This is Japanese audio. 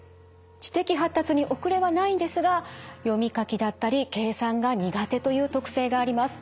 知的発達に遅れはないんですが読み書きだったり計算が苦手という特性があります。